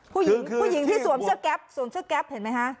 ผู้หญิงผู้หญิงที่สวมเสื้อแก๊ปสวมเสื้อแก๊ปเห็นไหมคะ